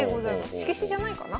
色紙じゃないかな。